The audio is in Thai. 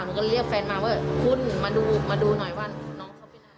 หนูก็เรียกแฟนมาว่าคุณมาดูมาดูหน่อยว่าน้องเขาเป็นอะไร